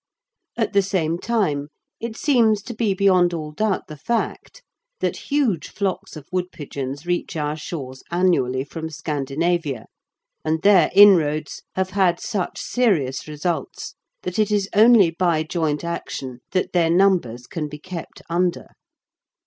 At the same time, it seems to be beyond all doubt the fact that huge flocks of woodpigeons reach our shores annually from Scandinavia, and their inroads have had such serious results that it is only by joint action that their numbers can be kept under.